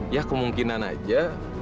ya kemungkinan aja